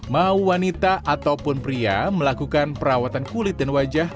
mau wanita ataupun pria melakukan perawatan kulit dan wajah